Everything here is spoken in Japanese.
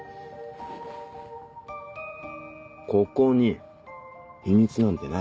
ここに秘密なんてない。